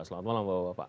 selamat malam bapak bapak